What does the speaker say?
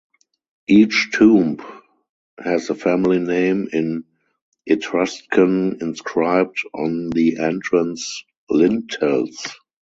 Each tomb has the family name in Etruscan inscribed on the entrance lintels.